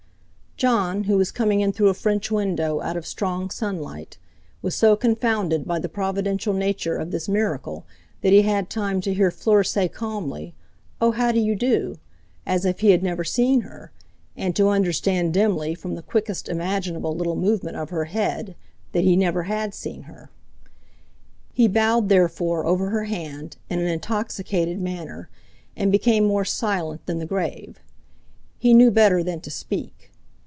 Jon, who was coming in through a French window out of strong sunlight, was so confounded by the providential nature of this miracle, that he had time to hear Fleur say calmly: "Oh, how do you do?" as if he had never seen her, and to understand dimly from the quickest imaginable little movement of her head that he never had seen her. He bowed therefore over her hand in an intoxicated manner, and became more silent than the grave. He knew better than to speak.